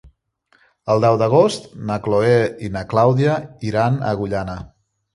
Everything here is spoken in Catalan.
El deu d'agost na Chloé i na Clàudia iran a Agullana.